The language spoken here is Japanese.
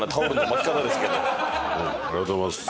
ありがとうございます。